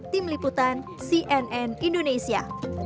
tim liputan cnn indonesia